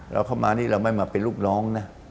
เราเข้ามานี่เราไม่มาเป็นลูกน้องนะ